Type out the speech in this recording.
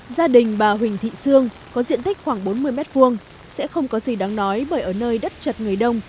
gia đình bà huỳnh thị sương có diện tích khoảng bốn mươi m hai sẽ không có gì đáng nói bởi ở nơi đất chật người đông